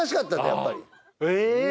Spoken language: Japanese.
やっぱりえ